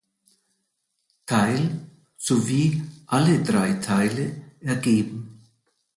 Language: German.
Teil" sowie "alle drei Teile" ergeben.